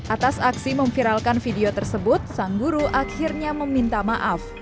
atas aksi memviralkan video tersebut sang guru akhirnya meminta maaf